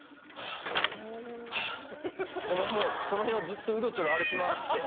その辺をずっとうろちょろ歩き回って。